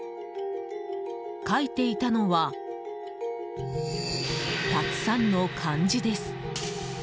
書いていたのはたくさんの漢字です。